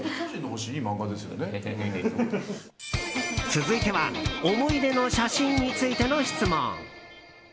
続いては思い出の写真についての質問。